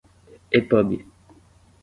epub